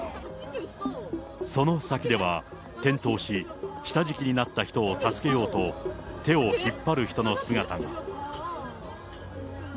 その先では、転倒し、下敷きになった人を助けようと、手を引っ張る人の姿が。